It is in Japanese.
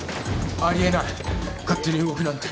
ありえない勝手に動くなんて。